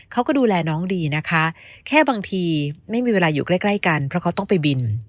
เขาก็ดูแลน้องดีนะคะแค่บางทีไม่มีเวลาอยู่ใกล้ใกล้กันเพราะเขาต้องไปบิน